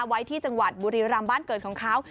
ไว้ที่จังหวัดบุรีรำบ้านเกิดของเขา